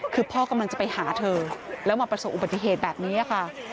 คือพ่อกำลังจะไปหาเธอแล้วมาประสบอุบัติเหตุแบบนี้ค่ะ